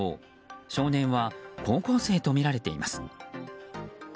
少年は、高校生とみられています。